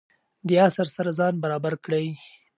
د عصر سره ځان برابر کړئ.